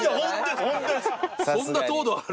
そんな糖度ある？